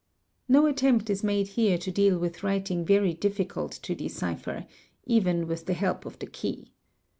No attempt is made here to deal with writing very difficult to decipher—even with the help of the key.